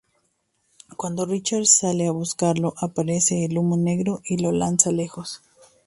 Cuando Richard sale a buscarlo, aparece el humo negro y lo lanza lejos.